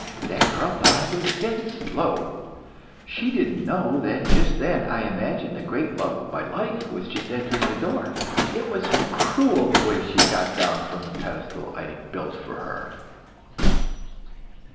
That girl thought I was dead slow. She didn't know that just then I imagined the great love of my life was just entering the door. It was cruel the way she got down from the pedestal I had built for her."